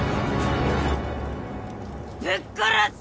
ぶっ殺す！